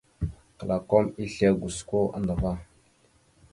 Klakom islégosko andəvá.